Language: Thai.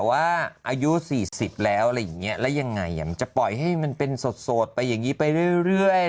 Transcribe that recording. ว่าอายุ๔๐แล้วอะไรอย่างนี้แล้วยังไงมันจะปล่อยให้มันเป็นสดไปอย่างนี้ไปเรื่อย